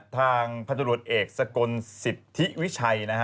ทางพันธุรกิจเอกสกลสิทธิวิชัยนะฮะ